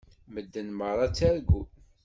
Medden meṛṛa ttargun.